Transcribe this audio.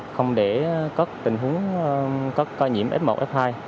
không để có tình huống có nhiễm f một f hai